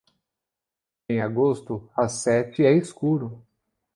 Em agosto, às sete é escuro.